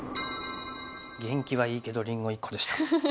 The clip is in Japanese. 元気はいいけどりんご１個でした。